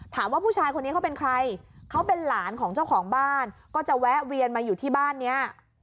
ถามว่าผู้ชายคนนี้เขาเป็นใครเขาเป็นหลานของเจ้าของบ้านก็จะแวะเวียนมาอยู่ที่บ้านเนี้ย